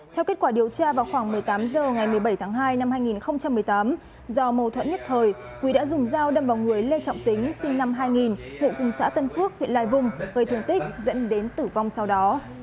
theo kết quả điều tra vào khoảng một mươi tám h ngày một mươi bảy tháng hai năm hai nghìn một mươi tám do mâu thuẫn nhất thời quý đã dùng dao đâm vào người lê trọng tính sinh năm hai nghìn ngụ cùng xã tân phước huyện lai vung gây thương tích dẫn đến tử vong sau đó